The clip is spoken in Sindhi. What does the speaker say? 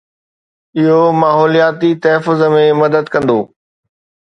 اهو ماحولياتي تحفظ ۾ مدد ڪندو.